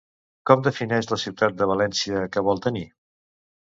Com defineix la ciutat de València que vol tenir?